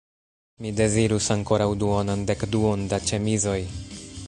Mi dezirus ankoraŭ duonan dekduon da ĉemizoj.